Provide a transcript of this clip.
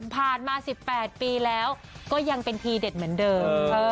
ผ่านมา๑๘ปีแล้วก็ยังเป็นทีเด็ดเหมือนเดิม